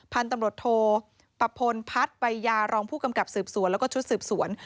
พันธุ์ตำรวจโทปะพลพัฒน์ใบยารองผู้กำกับสืบสวนแล้วก็ชุดสืบสวน